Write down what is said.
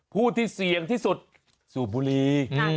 ผู้ที่เสี่ยงที่สุดสูบบุรี